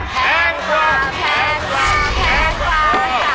แพงกว่า